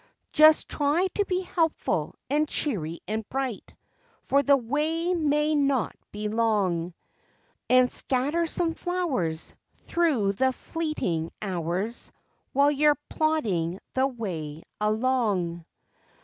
Just try to be helpful and cheery and bright For the way may not be long, And scatter some flowers Thru the fleeting hours While you're plodding the way along.